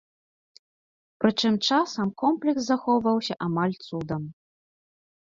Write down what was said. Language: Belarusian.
Прычым, часам комплекс захоўваўся амаль цудам.